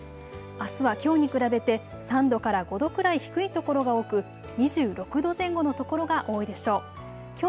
あすはきょうに比べて３度から５度くらい低いところが多く２６度前後の所が多いでしょう。